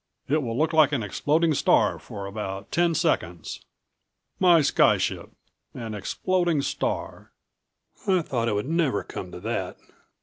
"It will look like an exploding star for about ten seconds. My sky ship an exploding star. I never thought it would ever come to that."